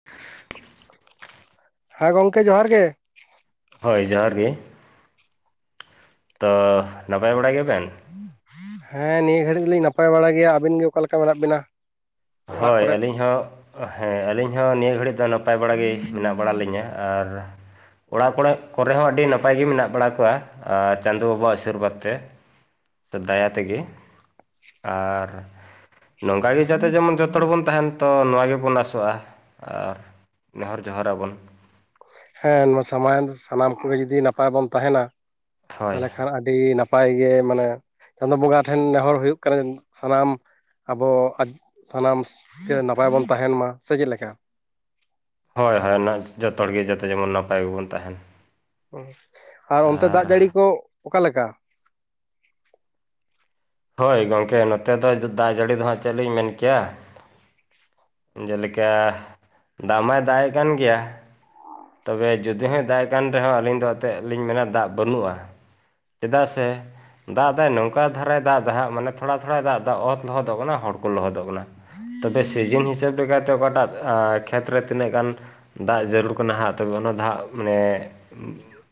[unintelligible] ᱦᱮᱸ ᱜᱚᱝᱢᱠᱮ ᱡᱚᱦᱟᱨ ᱜᱮ, ᱦᱳᱭ ᱡᱚᱦᱟᱨ ᱜᱮ, ᱛᱚ ᱱᱟᱯᱟᱭ ᱵᱟᱲᱟ ᱜᱮᱭᱟ ᱵᱮᱱ? ᱦᱮᱸ ᱱᱤᱭᱟᱹ ᱜᱷᱟᱹᱲᱤᱡ ᱞᱤᱧ ᱱᱟᱯᱟᱭ ᱵᱟᱲᱟ ᱜᱮᱭᱟ ᱾ ᱟᱹᱵᱤᱱ ᱜᱮ ᱚᱠᱟ ᱞᱮᱠᱟ ᱢᱮᱱᱟᱜ ᱵᱤᱱᱟ? ᱚᱲᱟᱜ ᱦᱳᱭ ᱠᱚᱨᱮᱫ ᱟᱹᱞᱤᱧ ᱦᱚᱸ, ᱦᱮᱸ ᱟᱹᱞᱤᱧ ᱦᱚᱸ ᱱᱤᱭᱟᱹ ᱜᱷᱟᱹᱲᱤᱡ ᱫᱚ ᱱᱟᱯᱟᱭ ᱵᱟᱲᱟ ᱜᱮ ᱢᱮᱱᱟᱜ ᱵᱟᱲᱟ ᱞᱤᱧᱟᱹ ᱟᱨ ᱚᱲᱟᱜ ᱠᱚᱲᱮ ᱠᱚᱨᱮ ᱦᱚᱸ ᱟᱹᱰᱤ ᱱᱟᱯᱟᱭ ᱜᱮ ᱢᱮᱱᱟᱜ ᱵᱟᱲᱟ ᱠᱚᱣᱟ ᱾ ᱟᱨ ᱪᱟᱸᱫᱳ ᱵᱟᱵᱟᱣᱟᱜ ᱟᱥᱤᱨ ᱵᱟᱫᱽ ᱛᱮ ᱾ ᱫᱟᱭᱟ ᱛᱮᱜᱮ ᱟᱨ ᱱᱚᱝ ᱱᱛᱮ ᱡᱮᱢᱚᱱ ᱡᱚᱛᱚ ᱦᱚᱲ ᱵᱚᱱ ᱛᱟᱦᱮᱱ ᱛᱚ ᱱᱚᱣᱟ ᱜᱮᱵᱚᱱ ᱟᱥᱚᱜᱼᱟ, ᱟᱨ ᱱᱮᱦᱚᱨ ᱡᱚᱦᱟᱨ ᱟᱵᱚᱱ ᱾ ᱦᱮᱸ ᱱᱚᱣᱟ ᱥᱟᱢᱟᱱ ᱥᱟᱱᱟᱢ ᱠᱚᱜᱮ ᱡᱩᱫᱤ ᱱᱟᱯᱟᱭ ᱵᱚᱱ ᱛᱟᱦᱮᱱᱟ ᱦᱳᱭ ᱛᱟᱦᱚᱞᱮ ᱠᱷᱟᱱ ᱟᱹᱰᱤ ᱱᱟᱯ ᱱᱟᱯᱟᱭ ᱜᱮ, ᱢᱟᱱᱮ ᱪᱟᱸᱫᱳ ᱵᱚᱸᱜᱟ ᱴᱷᱮᱱ ᱱᱮᱦᱚᱨ ᱦᱳᱭᱩᱜ ᱠᱟᱱᱟ, ᱥᱟᱱᱟᱢ ᱟᱵᱚ ᱥᱟᱱᱟᱢ ᱜᱮ ᱱᱟᱯᱟᱭ ᱵᱚᱱ ᱛᱟᱸᱦᱮᱱ ᱢᱟ ᱥᱮ ᱪᱮᱫ ᱞᱮᱠᱟ? ᱦᱳᱭ ᱦᱳᱭ ᱚᱱᱟ ᱡᱚᱛᱚ ᱦᱚᱲᱜᱮ ᱡᱚᱛᱚ, ᱡᱮᱢᱚᱱ ᱱᱟᱯᱟᱭ ᱜᱮᱵᱚᱱ ᱛᱟᱸᱦᱮᱱ ᱾ ᱟᱨ ᱚᱱᱛᱮ ᱫᱟᱜ ᱡᱟᱹᱲᱤ ᱠᱚ ᱚᱠᱟᱞᱮᱠᱟ? ᱦᱳᱭ ᱜᱚᱝᱠᱮ ᱱᱚᱛᱮ ᱫᱚ ᱫᱟᱜ ᱡᱟᱹᱲᱤ ᱫᱚ ᱦᱟᱸᱜ ᱪᱮᱫ ᱞᱤᱧ ᱢᱮᱱ ᱠᱮᱭᱟ? ᱡᱮᱞᱮᱠᱟ ᱫᱟᱢᱟᱭ ᱫᱟᱜᱼᱮ ᱠᱟᱱ ᱜᱮᱭᱟ᱾ ᱛᱚᱵᱮ ᱡᱩᱫᱤ ᱦᱚᱸ ᱫᱟᱜᱼᱮ ᱠᱟᱱ ᱨᱮᱦᱚ, ᱟᱹᱞᱤᱧ ᱫᱚ ᱟᱛᱮᱜ ᱞᱤᱧ ᱢᱮᱱᱟ ᱫᱟᱜ ᱵᱟᱹᱱᱩᱜᱼᱟ ᱾ ᱪᱮᱫᱟᱜ ᱥᱮ ᱫᱟᱜ ᱫᱟᱭ ᱱᱚᱝᱠᱟ ᱫᱷᱟᱨᱟᱭ ᱫᱟᱜ ᱫᱟ, ᱢᱟᱱᱮ ᱛᱷᱚᱲᱟ ᱛᱷᱚᱲᱟᱭ ᱫᱟᱜ ᱫᱟ, ᱚᱛ ᱞᱚᱦᱚᱫᱚᱜ ᱠᱟᱱᱟ, ᱦᱚᱲ ᱠᱚ ᱞᱚᱦᱚᱫᱚᱜ ᱠᱟᱱᱟ ᱾ ᱛᱚᱵᱮ ᱥᱤᱡᱤᱱ ᱦᱤᱥᱟᱹᱵ ᱞᱮᱠᱟ ᱛᱮ, ᱚᱠᱟᱴᱟᱜ ᱠᱷᱮᱛ ᱨᱮ ᱛᱤᱱᱟᱹᱜ ᱜᱟᱱ ᱫᱟᱜ ᱡᱟᱹᱨᱩᱲ? ᱱᱟᱦᱟᱜ ᱛᱚᱵᱮ ᱚᱱᱟ ᱫᱷᱟᱜ ᱢᱟᱱᱮ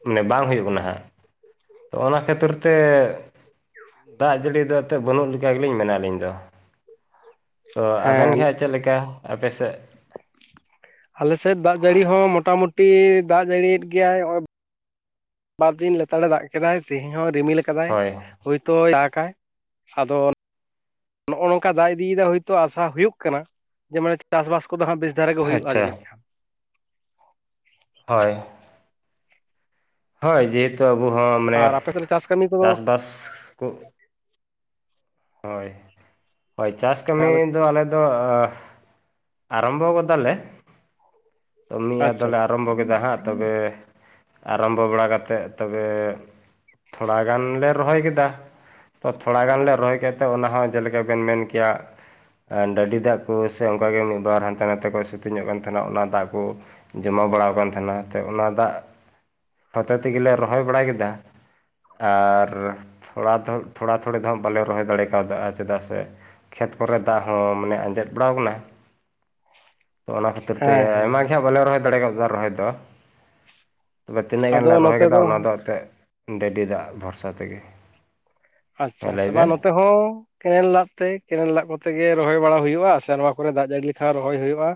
ᱢᱟᱱᱮ ᱵᱟᱝ ᱦᱩᱭᱩᱜ ᱠᱟᱱᱟ ᱦᱟᱸᱜ ᱛᱚ᱾ ᱚᱱᱟ ᱠᱷᱟᱹᱛᱤᱨ ᱛᱮ ᱫᱟᱜ ᱡᱟᱹᱲᱤ ᱫᱚ ᱮᱱ ᱛᱮᱫ ᱵᱟᱹᱱᱩᱜ ᱞᱮᱠᱟ ᱜᱮᱞᱤᱧ ᱢᱮᱱᱟ ᱟᱹᱞᱤᱧ ᱫᱚ ᱾ ᱛᱚ ᱟᱵᱮᱱ ᱦᱮᱸ ᱜᱮᱦᱟᱸᱜ, ᱪᱮᱫ ᱞᱮᱠᱟ ᱟᱯᱮᱥᱮᱜ? ᱟᱞᱮ ᱥᱮᱫ ᱫᱟᱜ ᱡᱟᱹᱲᱤ ᱦᱚᱸ ᱢᱚᱴᱟᱢᱩᱴᱤ ᱫᱟᱜ ᱡᱟᱹᱲᱤᱭᱮᱫ ᱜᱮᱭᱟᱭ ᱾ ᱦᱚᱸᱜᱼᱚᱭ ᱵᱟᱨ ᱫᱤᱱ ᱞᱮᱛᱟᱲᱮ ᱫᱟᱜ ᱠᱮᱫᱟᱭ᱾ ᱛᱮᱦᱮᱧ ᱦᱚᱸ ᱨᱤᱢᱤᱞ ᱠᱟᱫᱟᱭ ᱦᱳᱭ ᱦᱚᱭᱛᱳ ᱫᱟᱜᱟᱭ᱾ ᱟᱫᱚ ᱱᱚᱜᱼᱚ ᱱᱚᱝᱠᱟ ᱫᱟᱜ ᱤᱫᱤᱭᱮᱫᱟ ᱦᱳᱭᱛᱳ ᱟᱥᱟ ᱦᱩᱭᱩᱜ ᱠᱟᱱᱟ᱾ ᱡᱮ ᱢᱟᱱᱮ ᱪᱟᱥᱵᱟᱥ ᱠᱚᱫᱚ ᱦᱟᱸᱜ ᱵᱮᱥ ᱫᱷᱟᱨᱮ ᱜᱮ ᱦᱩᱭᱩᱜᱼᱟ ᱟᱪᱪᱷᱟ ᱡᱟᱹᱱᱤᱡ ᱠᱷᱟᱱ? ᱦᱳᱭ ᱦᱳᱭ ᱡᱮᱦᱮᱛᱩ ᱟᱵᱚ ᱦᱚᱸ ᱢᱟᱱᱮ ᱟᱨ ᱟᱯᱮ ᱥᱮᱫ ᱪᱟᱥ ᱠᱟᱹᱢᱤ ᱠᱚᱫᱚ ᱪᱟᱥᱵᱟᱥ ᱠᱚ ᱦᱳᱭ ᱦᱳᱭ ᱪᱟᱥ ᱦᱮᱸ ᱠᱟᱹᱢᱤ ᱟᱫᱚ ᱫᱚ ᱟᱞᱮᱫ ᱫᱚ ᱟᱨᱟᱢᱵᱷᱚ ᱜᱚᱫᱟ ᱞᱮ, ᱛᱚ ᱢᱤᱫ ᱟᱪᱪᱷᱟ ᱟᱪᱪᱷᱟ ᱟᱫᱚᱞᱮ ᱟᱨᱟᱢᱵᱚ ᱠᱮᱫᱟ ᱦᱟᱸᱜ, ᱛᱚᱵᱮ ᱟᱨᱚᱢᱵᱚ ᱵᱟᱲᱟ ᱠᱟᱛᱮᱫ ᱛᱚᱵᱮ, ᱛᱷᱚᱲᱟ ᱜᱟᱱ ᱞᱮ ᱨᱚᱦᱚᱭ ᱠᱮᱫᱟ ᱾ ᱛᱚ ᱛᱷᱚᱲᱟ ᱜᱟᱱ ᱞᱮ ᱨᱚᱦᱚᱭ ᱠᱮᱜᱛᱮ, ᱚᱱᱟᱦᱚ ᱡᱮ ᱞᱮᱠᱟ ᱵᱮᱱ ᱢᱮᱱ ᱠᱮᱭᱟ ᱰᱟᱹᱰᱤ ᱫᱟᱜ ᱠᱚ ᱥᱮ ᱚᱱᱠᱟᱜᱮ ᱢᱤᱫ ᱵᱟᱨ ᱦᱟᱱᱛᱮ ᱱᱟᱛᱮ ᱠᱚ ᱥᱤᱛᱤᱝᱚᱜ ᱠᱟᱱ ᱛᱟᱦᱮᱱᱟ᱾ ᱚᱱᱟ ᱫᱟᱜ ᱠᱚ ᱡᱚᱢᱟ ᱵᱟᱲᱟ ᱠᱟᱱ ᱛᱟᱦᱮᱱᱟ, ᱚᱱᱟ ᱫᱟᱜ ᱦᱚᱛᱮ ᱛᱮᱜᱮᱞᱮ ᱨᱚᱦᱚᱭ ᱵᱟᱲᱟ ᱠᱮᱫᱟ ᱾ ᱟᱨ ᱛᱷᱚᱲᱟ-ᱛᱷᱩᱚᱲᱤ ᱫᱚᱦᱟᱸᱜ ᱵᱟᱞᱮ ᱨᱚᱦᱚᱭ ᱫᱟᱲᱮ ᱠᱟᱣᱫᱟ ᱪᱮᱫᱟᱜ ᱥᱮ ᱠᱷᱮᱛ ᱠᱚᱨᱮ ᱫᱟᱜ ᱦᱚᱸ ᱢᱟᱱᱮ ᱟᱸᱡᱮᱫ ᱵᱟᱲᱟᱣ ᱠᱟᱱᱟ? [inaudible] ᱛᱚ ᱚᱱᱟ ᱠᱷᱟᱹᱛᱤᱨ ᱛᱮ, ᱦᱮᱸ ᱦᱮᱸ ᱟᱭᱢᱟ ᱜᱮ ᱦᱟᱸᱜ ᱵᱟᱞᱮ ᱨᱚᱦᱚᱭ ᱫᱟᱲᱮ ᱠᱟᱣᱫᱟ ᱨᱚᱦᱚᱭ ᱫᱚ ᱾ ᱛᱚᱵᱮ ᱛᱤᱱᱟᱹᱜ ᱟᱫᱚ ᱜᱟᱱᱞᱮ ᱨᱚᱦᱚᱭ ᱱᱚᱛᱮ ᱠᱟᱫᱟ, ᱚᱱᱟ ᱫᱚ ᱮᱱᱛᱮᱜ ᱰᱟᱹᱰᱤ ᱫᱟᱜ ᱵᱷᱚᱨᱥᱟ ᱛᱮᱜᱮ ᱾ ᱟᱪᱷᱟ - ᱟᱪᱷᱟ ᱵᱟᱝ ᱱᱚᱛᱮ ᱦᱚᱸ ᱠᱮᱱᱮᱞ ᱫᱟᱜ ᱛᱮ ᱠᱮᱱᱮᱞ ᱫᱟᱜ ᱠᱚᱛᱮ ᱜᱮ ᱠᱮᱱᱟᱞ ᱫᱟᱜ ᱛᱮ ᱠᱮᱱᱟᱞ ᱫᱟᱜ ᱠᱚᱛᱮ ᱨᱚᱦᱚᱭ ᱵᱟᱲᱟ ᱦᱩᱭᱩᱜᱼᱟ ᱥᱮ ᱱᱚᱣᱟ ᱠᱚᱨᱮ ᱫᱟᱜ ᱡᱟᱹᱲᱤ ᱞᱮᱠᱷᱟᱱ ᱨᱚᱦᱚᱭ ᱦᱩᱭᱩᱜᱼᱟ